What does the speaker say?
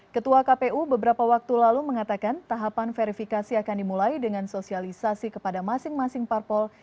ketua kpu beberapa waktu lalu mengatakan tahapan verifikasi akan dimulai dengan sosialisasi kepada masing masing parpol